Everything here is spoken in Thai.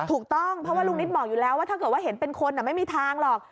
ถูกต้องเพราะว่าลุงนิตบอกอยู่แล้วว่าถ้าเกิดว่าเห็นเป็นคนไม่มีทางหรอก